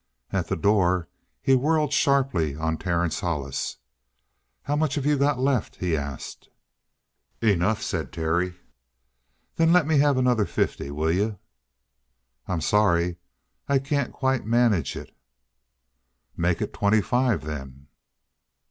At the door he whirled sharply on Terence Hollis. "How much have you got left?" he asked. "Enough," said Terry. "Then lemme have another fifty, will you?" "I'm sorry. I can't quite manage it." "Make it twenty five, then."